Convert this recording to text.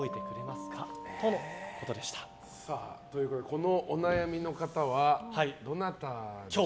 このお悩みの方はどなたでしょうか？